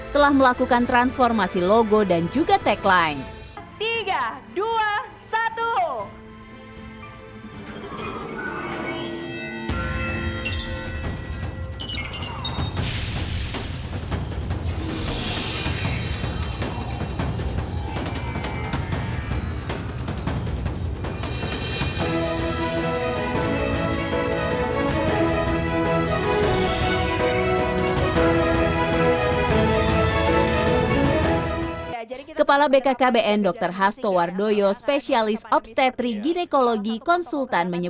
telah melakukan transformasi logo dan juga tagline